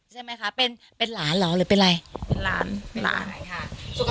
ใช่ไหมคะเป็นเป็นหลานเหรอหรือเป็นอะไรเป็นหลานเป็นหลานอะไรค่ะ